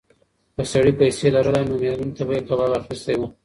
که سړي پیسې لرلای نو مېرمنې ته به یې کباب اخیستی و.